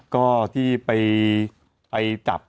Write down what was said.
ก็ที่ไปจับ